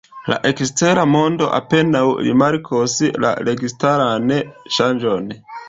La ekstera mondo apenaŭ rimarkos la registaran ŝanĝon.